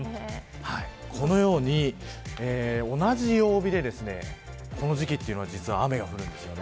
このように、同じ曜日でこの時期というのは雨が降るんですよね。